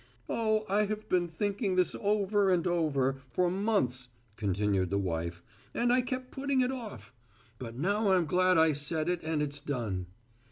"Oh, I have been thinking this over and over for months," continued the wife, "and I kept putting it off. But now I'm glad I said it and it's done."